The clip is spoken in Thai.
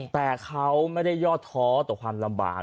แต่เขาไม่ได้ยอดท้อต่อความลำบาก